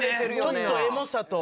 ちょっとエモさと。